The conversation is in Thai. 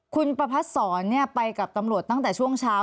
คุณประพัทธ์ศรไปกับตำรวจตั้งแต่ช่วงเช้า